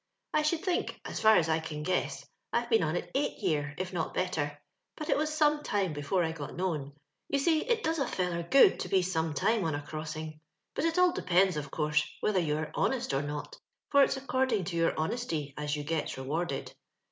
'* I should think, as far as I can guess, Pve been on it eight year, if not better ; but it was some time before I got known. You see, it does a feller good to be some time on a cross ing ; but it all depends, of course, whether you are honest or not, for it's according to your honesty as you gets rewarded.